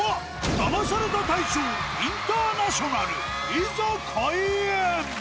ダマされた大賞インターナショナル、いざ開演。